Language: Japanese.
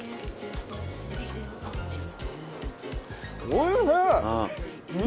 おいしい！